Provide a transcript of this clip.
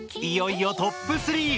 いよいよトップ３！